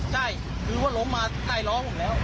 ใช่คือรถมาใต้รอผมแล้ว